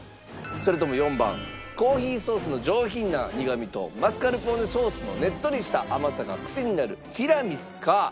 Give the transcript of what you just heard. それとも４番コーヒーソースの上品な苦みとマスカルポーネソースのねっとりした甘さがクセになるティラミスか？